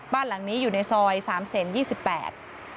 บ้านหลังนี้อยู่ในซอย๓๒๘เซนติเมตร